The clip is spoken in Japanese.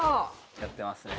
やってますね。